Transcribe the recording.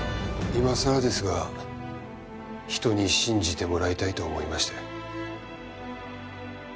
今さらですが人に信じてもらいたいと思いまして。